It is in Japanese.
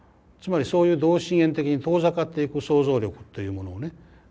つまりそういう同心円的に遠ざかっていく想像力っていうものをね